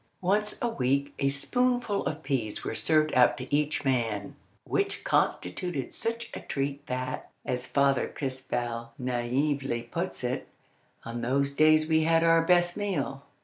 Once a week a spoonful of peas was served out to each man; which constituted such a treat that, as Father Crespel naively puts it, "On those days we had our best meal."